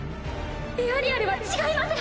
エアリアルは違います。